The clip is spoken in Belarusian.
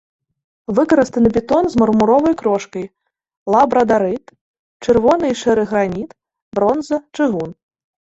Выкарыстаны бетон з мармуровай крошкай, лабрадарыт, чырвоны і шэры граніт, бронза, чыгун.